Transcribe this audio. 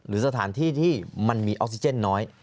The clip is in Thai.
หรือสถานที่ที่มันมีออกซิเจนน้อย